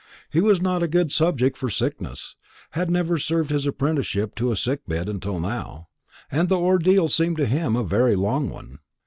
He was not a good subject for sickness, had never served his apprenticeship to a sick bed until now, and the ordeal seemed to him a very long one.